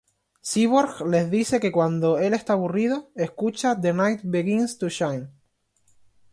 Cyborg les dice que cuando el esta aburrido, escucha "The Night Begins To Shine.